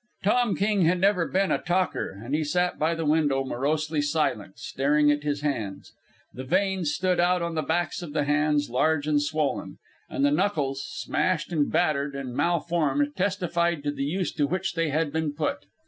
Tom King had never been a talker, and he sat by the window, morosely silent, staring at his hands. The veins stood out on the backs of the hands, large and swollen; and the knuckles, smashed and battered and malformed, testified to the use to which they had been put.